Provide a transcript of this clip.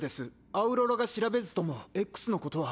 アウロラが調べずともＸのことは。